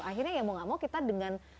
akhirnya ya mau gak mau kita dengan